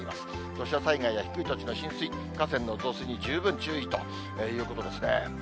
土砂災害や低い土地の浸水、河川の増水に十分注意ということですね。